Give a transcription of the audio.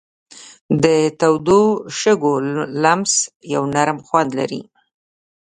د تودو شګو لمس یو نرم خوند لري.